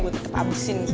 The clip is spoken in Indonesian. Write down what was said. gue tetep abisin semuanya